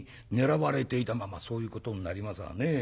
「まあまあそういうことになりますわね。